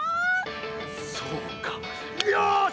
そうかよし！